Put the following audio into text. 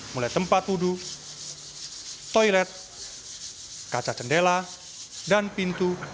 mulai tempat wudhu toilet kaca jendela dan pintu